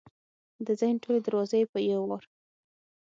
د ذهن ټولې دروازې یې په یو وار